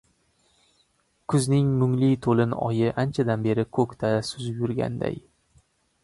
Kuzning mungli toʻlin oyi anchadan beri koʻkda suzib yurganday